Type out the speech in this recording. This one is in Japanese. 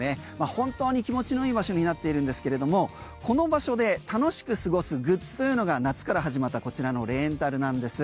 本当に気持ちのいい場所になっているんですけれどもこの場所で楽しく過ごすグッズというのが夏から始まったこちらのレンタルなんです。